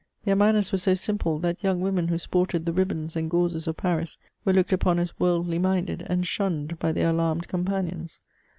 Their manners were so simple, that young women who sported the ribbons and gauzes of Paris were looked upon as worldly minded, and shunned by their alarmed companions.